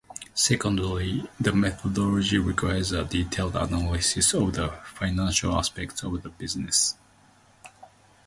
Secondly, the methodology requires a detailed analysis of the financial aspects of the business.